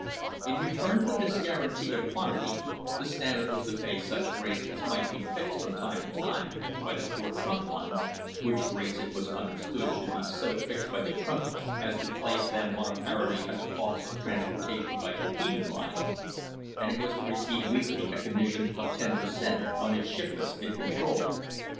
In return for this guarantee of quantity the Standard was to pay such rates as might be fixed from time to time by the four trunk lines (which rates it was under stood should be so fixed by the trunk lines as to place them on a parity as to cost of transportation by competing lines), and it was to receive weekly a commission of ten per cent, on its shipments it controlled.